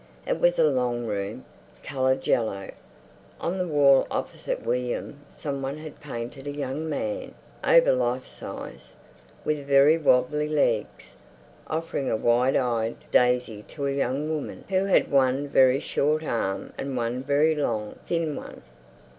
It was a long room, coloured yellow. On the wall opposite William some one had painted a young man, over life size, with very wobbly legs, offering a wide eyed daisy to a young woman who had one very short arm and one very long, thin one.